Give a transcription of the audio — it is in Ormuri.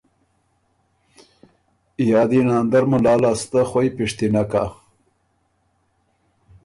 یا دی ناندر مُلا لاسته خوئ پِشتِنه کَه